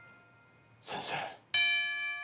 先生。